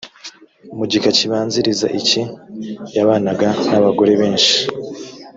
mu gika kibanziriza iki yabanaga n’abagore benshi